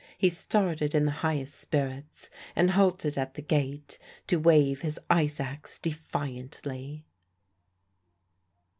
He started in the highest spirits, and halted at the gate to wave his ice axe defiantly.